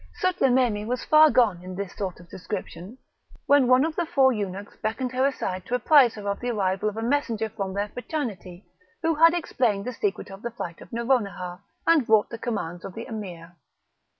Sutlememe was far gone in this sort of description, when one of the four eunuchs beckoned her aside to apprise her of the arrival of a messenger from their fraternity, who had explained the secret of the flight of Nouronihar, and brought the commands of the Emir.